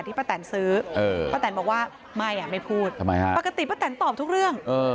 ป้าแตนซื้อป้าแตนบอกว่าไม่อ่ะไม่พูดทำไมฮะปกติป้าแตนตอบทุกเรื่อง